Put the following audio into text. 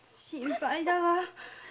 心配だわ。